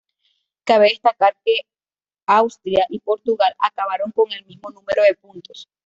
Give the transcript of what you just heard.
Cabe destacar que Austria y Portugal acabaron con el mismo número de puntos.